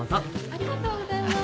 ・ありがとうございます。